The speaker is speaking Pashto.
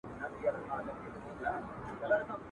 چي په منځ کي د همزولو وه ولاړه ..